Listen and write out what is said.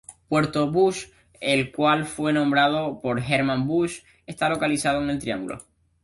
Puerto Busch, el cual fue nombrado por Germán Busch, está localizado en el triángulo.